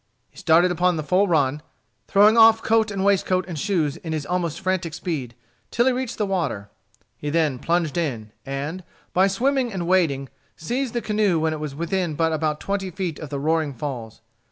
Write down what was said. He started upon the full run, throwing off coat and waistcoat and shoes, in his almost frantic speed, till he reached the water. He then plunged in, and, by swimming and wading, seized the canoe when it was within but about twenty feet of the roaring falls.